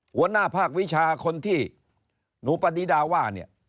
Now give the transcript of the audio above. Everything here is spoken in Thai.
หัวหน้าภาควิชาคนที่หนูปฏิดาว่าเนี่ย